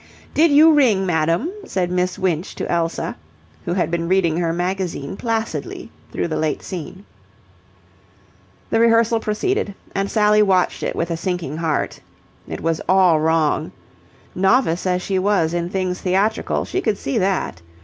"Did you ring, madam?" said Miss Winch to Elsa, who had been reading her magazine placidly through the late scene. The rehearsal proceeded, and Sally watched it with a sinking heart. It was all wrong. Novice as she was in things theatrical, she could see that.